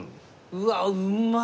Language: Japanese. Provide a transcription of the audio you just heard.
うわっうまい！